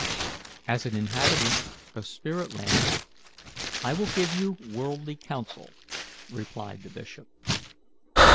"As an inhabitant of spirit land, I will give you worldly counsel," replied the bishop.